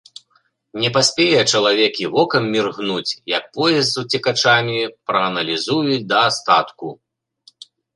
Не паспее чалавек і вокам міргнуць, як поезд з уцекачамі прааналізуюць да астатку.